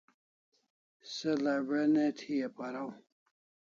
Se l'abe' ne thi paraw